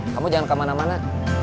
kamu jangan kemana mana